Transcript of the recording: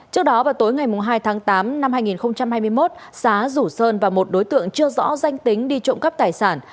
trước đó vào tối ngày hai tháng tám năm hai nghìn hai mươi một xá rủ sơn và một đối tượng chưa rõ danh tính đi trộm cắp tài sản